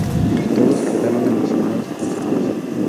Todos quedaron emocionados con su voz.